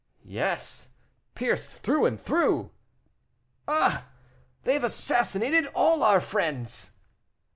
"Yes, pierced through and through." "Ah! they have assassinated all our friends."